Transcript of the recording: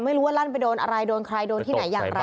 ไม่รู้ว่าลั่นไปโดนอะไรโดนใครโดนที่ไหนอย่างไร